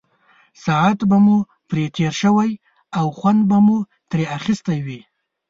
ساعت به مو پرې تېر شوی او خوند به مو ترې اخیستی وي.